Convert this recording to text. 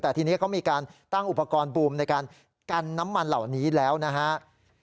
แต่ทีนี้เขามีการตั้งอุปกรณ์บูมในการกันน้ำมันเหล่านี้แล้วนะครับ